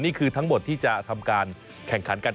นี่คือทั้งหมดที่จะทำการแข่งขันกัน